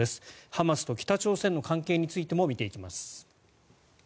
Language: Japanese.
ハマスと北朝鮮の関係についても見ていきます。